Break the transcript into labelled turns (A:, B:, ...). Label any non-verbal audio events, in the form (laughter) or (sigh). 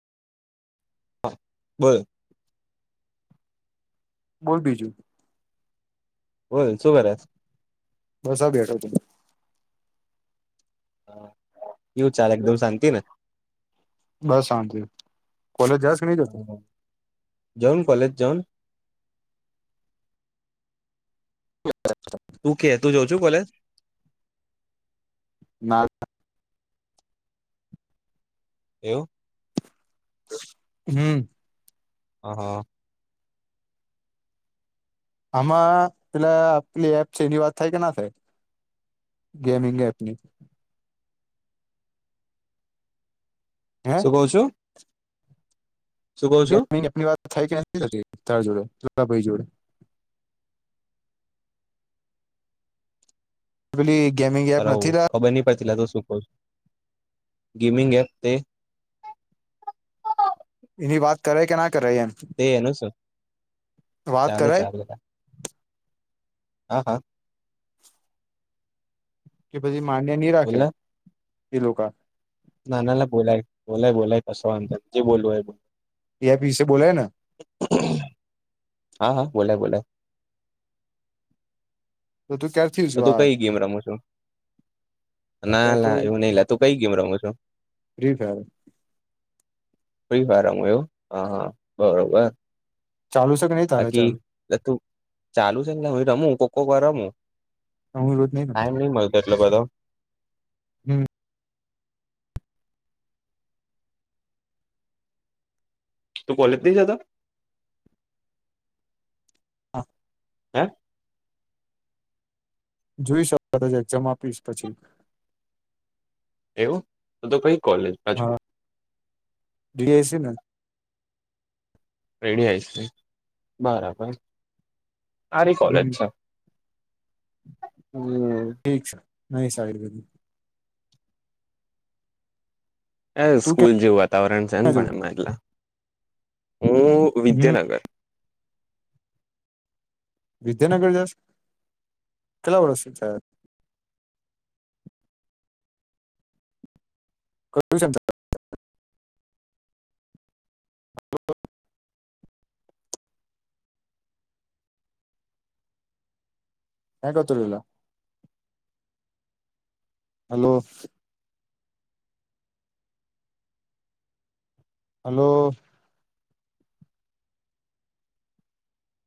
A: હા બરા (inaudible)
B: (inaudible) બોલ બીજું.
A: બોલ શું કરે છે.
B: બસ આ બેઠો તો.
A: હા કેવું ચાલે એકદમ શાંતિ ને.
B: બસ શાંતિ કોલેજ જા સળે નહી.
A: જઉ ને કોલેજ જઉ.
B: હા (inaudible)
A: તું કે તુ ઓછું બોલે.
B: ના.
A: એવું.
B: હમ.
A: હા હા.
B: આમાં પેલા આપલી એપ છે એની વાત થાય કે ના થાય. ગેમિંગ એપની હે
A: કો છો.
B: ગેમ એની વાત થાય કે નથી થતી ત જોડે ભાઈ જોડે. ઓલી ગેમિંગ. એપ
A: હલો
B: નથી લા
A: ખબર નહિ પડતી લાતો શું કો છો ગેમિંગ એપ તે.
B: એની વાત કરાય કે ના કરાય એમ.
A: તે એનું શું
B: વાત
A: ચાલે
B: કરાય
A: ચાલે. હા હા.
B: કે પછી માન્ય નહી રાખે
A: બોલને
B: એ લોકા
A: ના ના ના બોલાય બોલાય બોલાય કશું વાંધો નહિ જે બોલુ એ બોલ.
B: યે અભી સે બોલે ન.
A: હા હા બોલે બોલે.
B: તો તું ક્યાર.
A: તો તુ કઈ ગેમ રમો છો. ના
B: અત્યારે તો
A: લા એવું નઈ લા તું કઈ ગેમ રમું છું.
B: ફ્રી ફાયર
A: ફ્રી ફાયર રમુ એવું હા હા બરોબર.
B: ચાલુ છે કે નહી તારે ચાલુ.
A: એ તું ચાલુ છે ને હુ રમું કોક કોક વાર રમું.
B: હું રોજ રમતો
A: ટાઈમ નહી મળતો એટલો બધો.
B: હમ.
A: તું કોલેજ નઈ જતો.
B: હા.
A: હ?
B: જોઈ શકો જમા આપીશ પછી.
A: એવું, તદ પ કોલેજ? પાછું
B: હા ડી આ સી ને?
A: રેડી આવીય છે, બરાબર. સારી કોલેજ
B: હમ,
A: છે હમ
B: ઠીક છે નહી આયુર્વેદિક.
A: એ
B: તું
A: સ્કૂલ જેવું વાતાવરણ છે ને
B: ક્યાં જોડ
A: પણ એમાં એટલા, હું
B: હમ
A: વિદ્યાનગર.
B: વિદ્યાનગર જશે, કેટલા વર્ષ જાય? કું (unintelligible) ક્યા ગતુ રેલા? હલો. હલો.